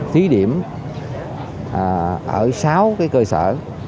thí điểm ở sáu cơ sở